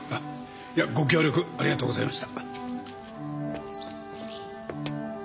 いやご協力ありがとうございました。